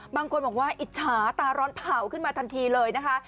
บางคนบอกว่าอิจฉาตาร้อนเผ่าขึ้นมาทันทีเลยนะคะ